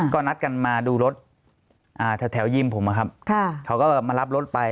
ก็นัดกันมาดูรถแถวยิมผมนะครับเขาก็มารับรถไป